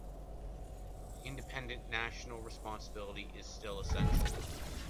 Independent national responsibility is still essential.